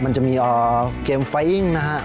มันจะมีเกมไฟร่งนะครับ